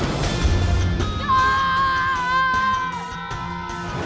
nih aku keluar